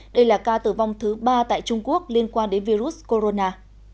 đây là ca tử vong thứ ba tại trung quốc liên quan đến virus corona